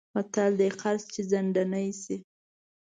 متل دی: قرض چې ځنډنی شی...